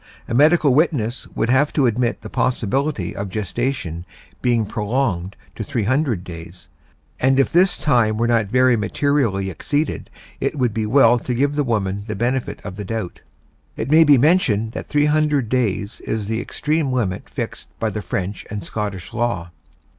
A medical witness would have to admit the possibility of gestation being prolonged to 300 days, and if this time were not very materially exceeded it would be well to give the woman the benefit of the doubt. It may be mentioned that 300 days is the extreme limit fixed by the French and Scottish law.